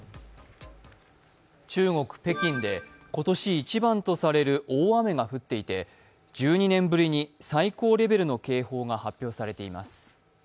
中国・北京で今年一番とされる大雨が降っていて１２年ぶりに最高レベルの警報が発表されています。